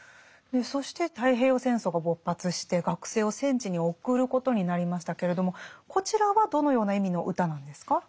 そして太平洋戦争が勃発して学生を戦地に送ることになりましたけれどもこちらはどのような意味の歌なんですか？